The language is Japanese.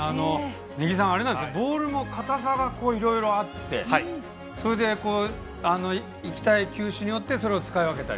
根木さん、ボールもいろいろ硬さがいろいろあっていきたい球種によってそれを使い分けたり。